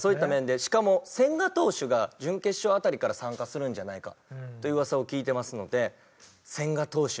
しかも千賀投手が準決勝辺りから参加するんじゃないかという噂を聞いてますので千賀投手に。